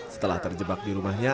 setelah terjebak di rumahnya